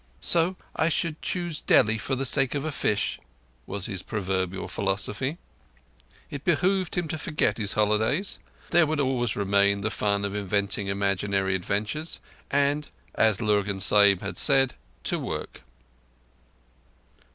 "So I should lose Delhi for the sake of a fish," was his proverbial philosophy. It behoved him to forget his holidays (there would always remain the fun of inventing imaginary adventures) and, as Lurgan Sahib had said, to work.